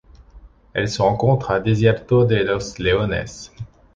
Elle se rencontre à Desierto de los Leones.